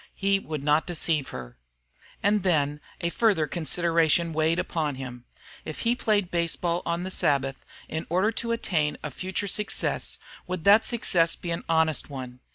He would not deceive her. And then a further consideration weighed upon him. If he played baseball on the Sabbath in order to attain a future success, would that success be an honest one?